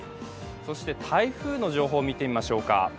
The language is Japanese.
そして台風の情報、見てみましょうか。